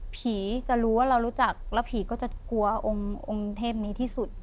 จะรู้ว่าเรารู้จักแล้วผีก็จะกลัวองค์องค์เทพนี้ที่สุด